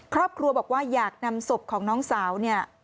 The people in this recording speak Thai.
ครอบครัวบอกว่าอยากนำศพของน้องสาวเนี่ย